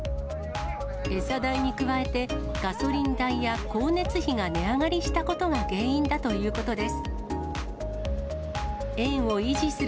餌代に加えて、ガソリン代や光熱費が値上がりしたことが原因だということです。